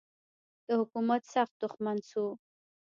د حکومت سخت دښمن سو.